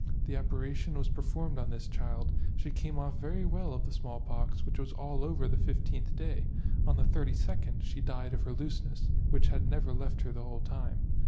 The operation was performed on this child; she came off very well of the small pox, which was all over the 1 5th day ; on the 32d she died of her looseness, which had never left her the whole time.